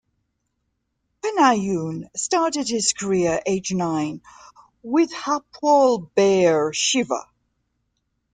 Benayoun started his career aged nine with Hapoel Be'er Sheva.